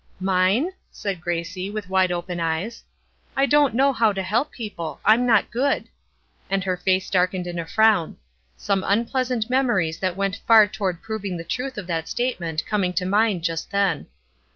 "Mine?"' said Gracie, with wide open eyes. "I don't know how to help people; I'm not good." And her face darkened in a frown, some unpleasant memories that went far toward proving the truth of that statement coming to mind just then.